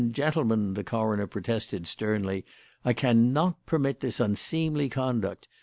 gentlemen!" the coroner protested, sternly; "I cannot permit this unseemly conduct.